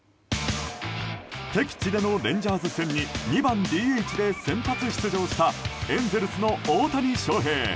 敵地でのレンジャーズ戦に２番ＤＨで先発出場したエンゼルスの大谷翔平。